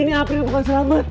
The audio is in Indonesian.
ini april bukan selamat